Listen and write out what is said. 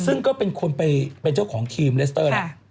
ซึ่งก็เป็นคนไปเจ้าของทีมเลสเตอร์นะครับ